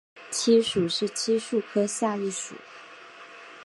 漆属是漆树科下一属。